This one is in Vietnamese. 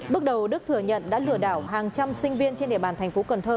bước đầu đức thừa nhận đã lừa đảo hàng trăm sinh viên trên địa bàn thành phố cần thơ